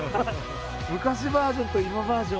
昔バージョンと今バージョン。